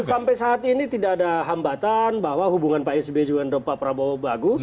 sampai saat ini tidak ada hambatan bahwa hubungan pak sbe juga dengan pak prabowo bagus